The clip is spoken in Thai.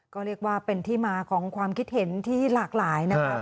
ก็เรียกว่าเป็นที่มาของความคิดเห็นที่หลากหลายนะครับ